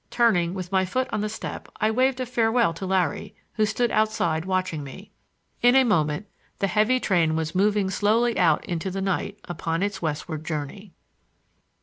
Turning, with my foot on the step, I waved a farewell to Larry, who stood outside watching me. In a moment the heavy train was moving slowly out into the night upon its westward journey.